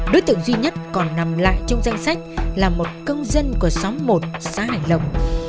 đối tượng duy nhất còn nằm lại trong danh sách là một công dân của xóm một xã hải lộc